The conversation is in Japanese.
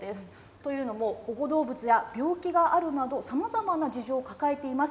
というのも、保護動物は病気があるなど、さまざまな事情を抱えています。